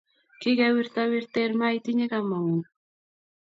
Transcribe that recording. Kige wirta wirten, ma itinye kamang’uno